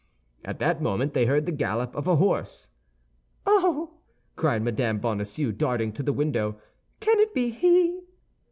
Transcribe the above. At that moment they heard the gallop of a horse. "Oh!" cried Mme. Bonacieux, darting to the window, "can it be he?"